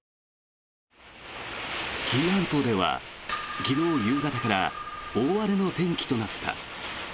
紀伊半島では、昨日夕方から大荒れの天気となった。